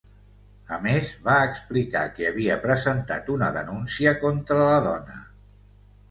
A més, va explicar que havia presentat una denúncia contra la dona.